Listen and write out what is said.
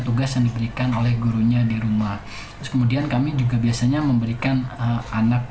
tugas yang diberikan oleh gurunya di rumah kemudian kami juga biasanya memberikan anak